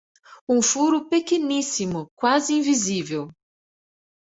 Um furo pequeníssimo, quase invisível.